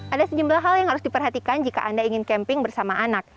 ada sejumlah hal yang harus diperhatikan jika anda ingin camping bersama anak